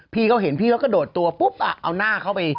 พี่เขาเห็นพี่เขากระโดดตัวปุ๊บเอาหน้าเข้าไป